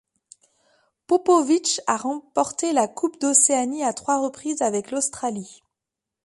Popović a remporté la Coupe d'Océanie à trois reprises avec l'Australie.